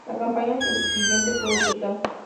La campaña subsiguiente fue brutal.